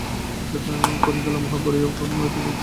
আমি ক্ষণকালের মোহে পড়িয়া মরিতে যাইতেছিলাম।